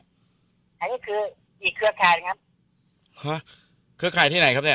อันนี้คือมีเครือข่ายครับฮะเครือข่ายที่ไหนครับเนี่ย